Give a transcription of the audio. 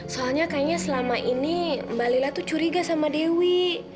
soalnya kayaknya selama ini mbak lila tuh curiga sama dewi